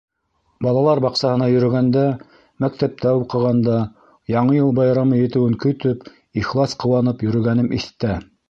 Балалар баҡсаһына йөрөгәндә, мәктәптә уҡығанда, Яңы йыл байрамы етеүен көтөп, ихлас ҡыуанып йөрөгәнем иҫтә.